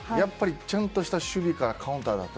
ちゃんとした守備からカウンター。